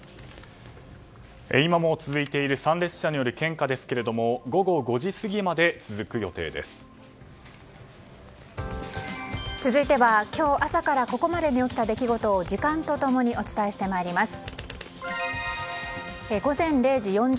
今も続いている参列者による献花ですが続いては今日朝からここまでに起きた出来事を時間と共にお伝えしてまいります。